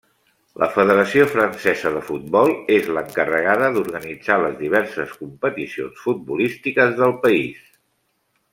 La Federació Francesa de Futbol és l'encarregada d'organitzar les diverses competicions futbolístiques del país.